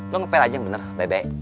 lu ngepel aja yang bener baik baik